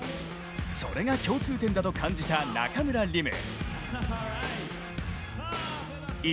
それが共通点だと感じた中村輪夢。